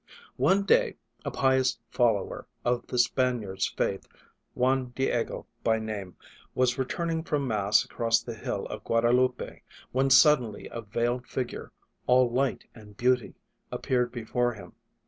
One day a pious follower of the Span iards' faith, Juan Diego by name, was re turning from mass across the hill of Gua dalupe, when suddenly a veiled figure, all light and beauty, appeared before him.